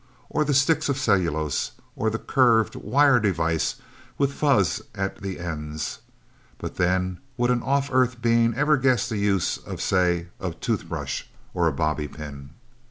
Or the sticks of cellulose, or the curved, wire device with fuzz at the ends? But then, would an off Earth being ever guess the use of say a toothbrush or a bobbypin?